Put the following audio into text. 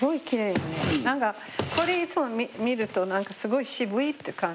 何かこれいつも見るとすごい渋いって感じ。